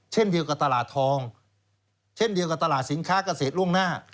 เช่นเดียวกับตลาดทองเช่นเดียวกับตลาดสินค้าเกษตรล่วงหน้า